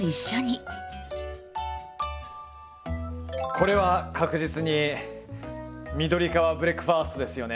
これは確実に緑川ブレックファストですよね。